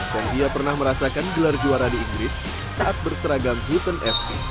dan dia pernah merasakan gelar juara di inggris saat berseragam hilton fc